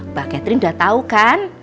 mbak katrin udah tau kan